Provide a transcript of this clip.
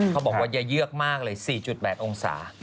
เขาบอกว่าอย่าเยือกมากเลย๔๘องศา